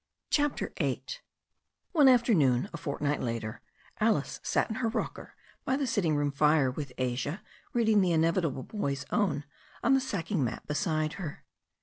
CHAPTER VIII ONE afternoon, a fortnight later, Alice sat in her rocker by the sitting room fire, with Asia reading the inevitable Boys^ Own on the sacking mat be side her.